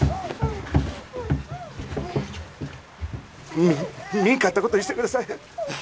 見んかったことにしてください